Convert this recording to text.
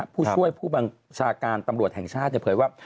ผู้ช่วยผู้บัญชาการตำรวจแห่งชาติเผยว่า